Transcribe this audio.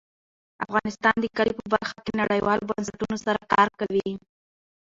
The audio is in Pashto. افغانستان د کلي په برخه کې نړیوالو بنسټونو سره کار کوي.